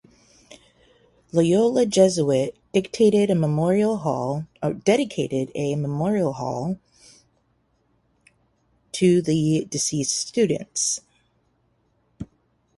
Loyola Jesuit dedicated a Memorial Hall to the deceased students.